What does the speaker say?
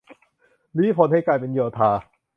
รี้พลให้กลายเป็นโยธา